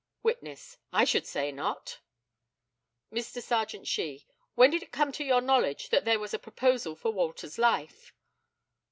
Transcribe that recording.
Witness: I should say not. Mr. Serjeant SHEE: When did it come to your knowledge that there was a proposal for Walter's life?